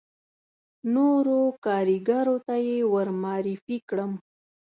نورو کاریګرو ته یې ور معرفي کړم.